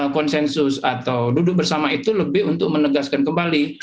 konsensus atau duduk bersama itu lebih untuk menegaskan kembali